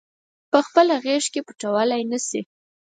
پخپله غیږ کې پټولای نه شي